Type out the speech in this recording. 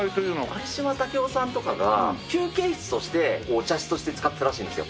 有島武郎さんとかが休憩室としてお茶室として使っていたらしいんですよ。